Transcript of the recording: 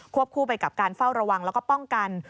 คู่ไปกับการเฝ้าระวังแล้วก็ป้องกัน